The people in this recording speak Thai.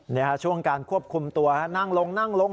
นี่ฮะช่วงการควบคุมตัวนั่งลงนั่งลง